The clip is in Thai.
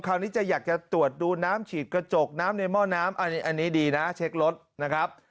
คราวนี้จะอยากจะตรวจดูน้ำฉีดกระจกน้ำในหม้อน้ำอันนี้ดีนะเช็ครถนะครับ